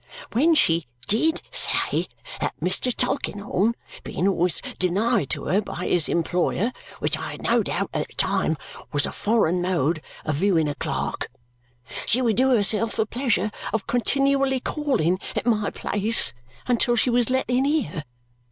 When she DID say that Mr. Tulkinghorn, being always denied to her by his employer (which I had no doubt at the time was a foreign mode of viewing a clerk), she would do herself the pleasure of continually calling at my place until she was let in here.